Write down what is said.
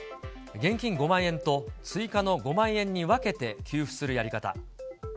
現金５万円と追加の５万円に分けて給付するやり方。